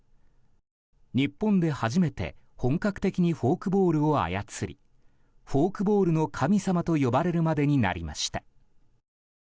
日本で初めて本格的にフォークボールを操りフォークボールの神様と呼ばれるまでになりました。